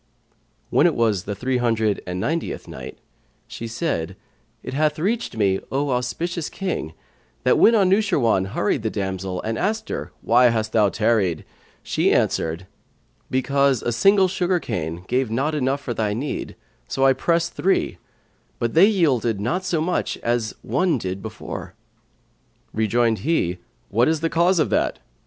When it was the Three hundred and Ninetieth Night She said, It hath reached me, O auspicious King, that when Anushirwan hurried the damsel and asked her, "Why hast thou tarried?" she answered, "Because a single sugar cane gave not enough for thy need; so I pressed three; but they yielded not to much as one did before." Rejoined he, "What is the cause of that?"